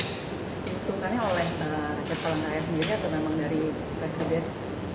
kesungkannya oleh pak palangkaraya sendiri atau memang dari presiden